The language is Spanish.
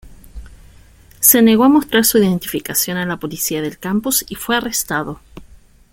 Se negó a mostrar su identificación a la policía del campus y fue arrestado.